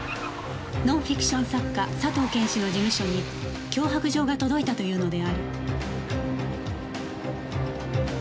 ノンフィクション作家佐藤謙氏の事務所に脅迫状が届いたというのである